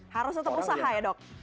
harus tetap usaha ya dok